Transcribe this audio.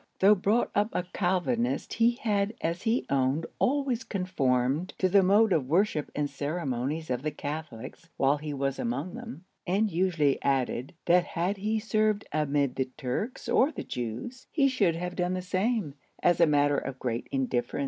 Tho' brought up a Calvinist, he had as he owned always conformed to the mode of worship and ceremonies of the Catholics while he was among them; and usually added, that had he served amid the Turks or the Jews, he should have done the same, as a matter of great indifference.